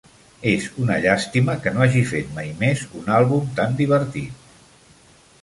És una llàstima que no hagi fet mai més un àlbum tan divertit.